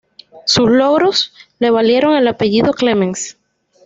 Sus logros le valieron el apellido clemens.